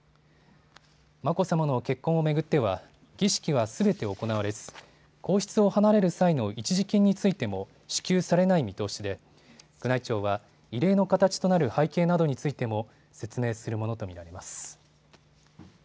眞子さまの結婚を巡っては儀式はすべて行われず皇室を離れる際の一時金についても支給されない見通しで宮内庁は異例の形となる背景などについても説明するものと見られます。